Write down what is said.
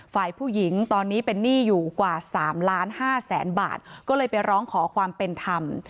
ฝ่ายผู้หญิงตอนนี้เป็นหนี้อยู่กว่า๓ล้านห้าแสนบาทก็เลยไปร้องขอความเป็นธรรม